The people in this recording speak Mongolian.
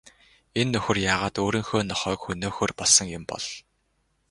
Энэ нөхөр яагаад өөрийнхөө нохойг хөнөөхөөр болсон юм бол?